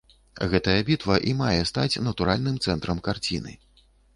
Гэтая бітва і мае стаць натуральным цэнтрам карціны.